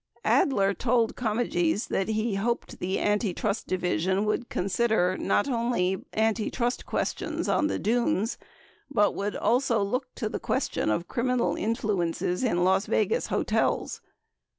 Adler told Comegys that he hoped the Antitrust Division would consider not only antitrust questions on the Dunes, but would also look to the question of criminal influences in Las Vegas hotels.